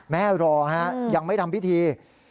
แม่รอยังไม่ทำพิธี